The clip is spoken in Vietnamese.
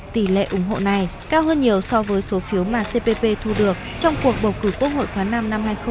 tỷ lệ ủng hộ này cao hơn nhiều so với số phiếu mà cpp thu được trong cuộc bầu cử quốc hội khóa năm năm hai nghìn hai mươi